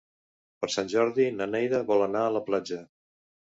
Per Sant Jordi na Neida vol anar a la platja.